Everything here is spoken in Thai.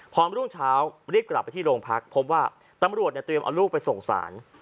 พอรุ่งเช้ารีบกลับไปที่โรงพักพบว่าตำรวจเนี่ยเตรียมเอาลูกไปส่งสาร